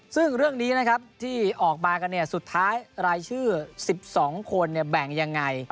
ซึ่งเรื่องนี้นะครับที่ออกมากันสุดท้ายรายชื่อ๑๒คนแบ่งยังไง